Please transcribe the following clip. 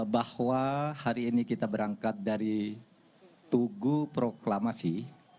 bahwa hari ini kita berangkat dari tugu proklamasi